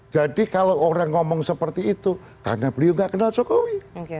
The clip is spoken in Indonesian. jadi kalau orang ngomong seperti itu karena beliau gak kenal jokowi